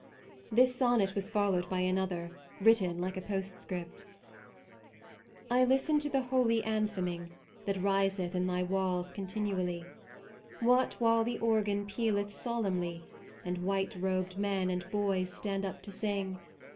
This sonnet was followed by an other, written like a postscript. I listen to the holy antheming That riseth in thy walls continually, What while the organ pealeth solemnly And white robed men and boys stand up to sing.